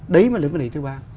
đấy mới là vấn đề thứ ba